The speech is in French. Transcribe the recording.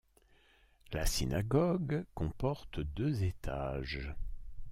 La synagogue comporte deux étages.